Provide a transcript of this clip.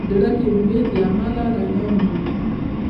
زړه د امید له امله رڼا مومي.